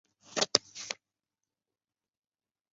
鲁西军政委员会委员。